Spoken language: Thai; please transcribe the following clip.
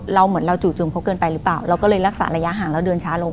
เหมือนเราจู่จุ่มเขาเกินไปหรือเปล่าเราก็เลยรักษาระยะห่างแล้วเดินช้าลง